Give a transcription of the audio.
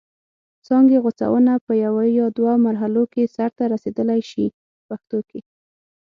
څانګې غوڅونه په یوه یا دوه مرحلو کې سرته رسیدلای شي په پښتو کې.